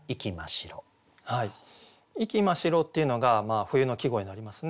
「息真白」っていうのが冬の季語になりますね。